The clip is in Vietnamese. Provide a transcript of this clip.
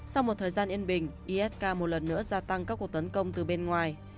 sau một thời gian yên bình isk một lần nữa gia tăng các cuộc tấn công từ bên ngoài